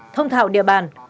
thông thạo địa bàn